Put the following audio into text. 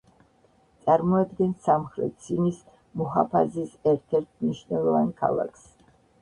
წარმოადგენს სამხრეთ სინის მუჰაფაზის ერთ-ერთი მნიშვნელოვან ქალაქს.